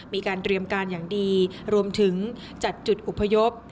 มีการเตรียมการอย่างดีรวมถึงจัดจุดอพยพ